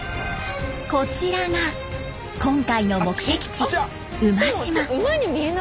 こちらが今回の目的地馬島。